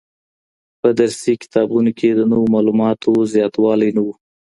په درسي کتابونو کي د نویو معلوماتو زیاتوالی نه و.